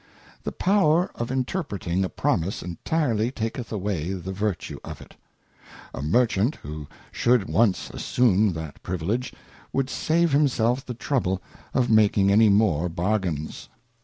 The power of interpreting a Promise intirely taketh away the virtue of it. A Merchant who should once assume that privilege, would save himself the trouble of making any more Bargains.